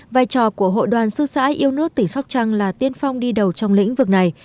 vai trò của hội đoàn sư sãi yêu nước tỉnh sóc trăng là tiên phong đi đầu trong lĩnh vực này